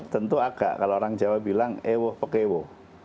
tentu agak kalau orang jawa bilang ewo pekewo